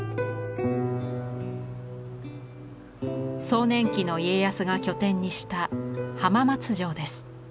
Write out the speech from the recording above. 壮年期の家康が拠点にした浜松城です。